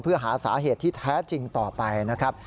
เพื่อหาสาเหตุที่แท้จริงต่อไปนะครับ